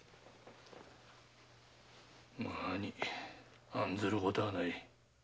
何案ずることはない。